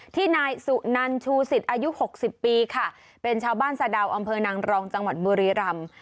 ที่นายสุนันชูสิทธิ์อายุ๖๐ปีค่ะเป็นชาวบ้านสะดาวอำเภอนางรองจังหวัดบุรีรำ